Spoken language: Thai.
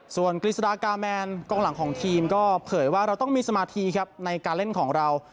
ส่วนก็เผยว่าเราต้องมีสมาธิในการเล่นของเรา